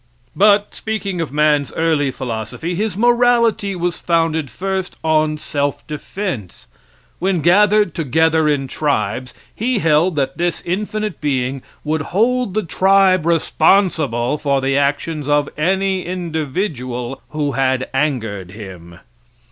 But, speaking of man's early philosophy, his morality was founded first on self defense. When gathered together in tribes, he held that this infinite being would hold the tribe responsible for the actions of any individual who had angered him.